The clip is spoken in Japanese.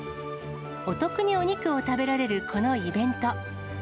お得にお肉を食べられるこのイベント。